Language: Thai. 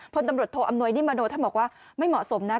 พลตำรวจโทอำนวยนิมโนท่านบอกว่าไม่เหมาะสมนะ